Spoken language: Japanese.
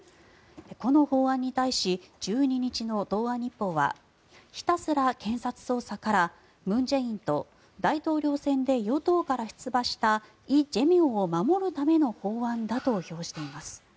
この法案に対し１２日の東亜日報はひたすら検察捜査から文在寅と大統領選で与党から出馬したイ・ジェミョンを守るための法案だと評しています。